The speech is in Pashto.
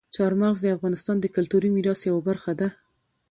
چار مغز د افغانستان د کلتوري میراث یوه برخه ده.